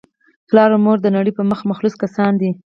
پلار او مور دنړۍ په مخ مخلص کسان دي